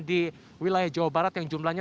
di wilayah jawa barat yang jumlahnya